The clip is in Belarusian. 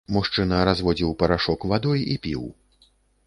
Мужчына разводзіў парашок вадой і піў.